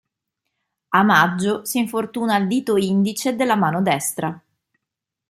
A maggio si infortuna al dito indice della mano destra.